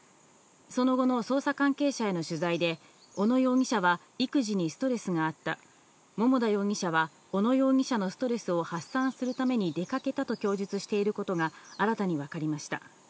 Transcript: その後の捜査関係者への取材で、小野容疑者は育児にストレスがあった、桃田容疑者は小野容疑者のストレスを発散するために出かけたと供述していることが新たに分かりました。